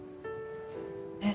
えっ？